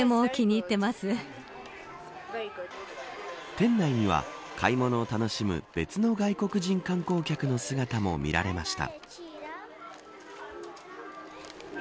店内には買い物を楽しむ別の外国人観光客の姿も見られました。